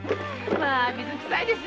水くさいですよ。